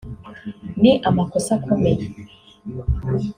ni amakosa akomeye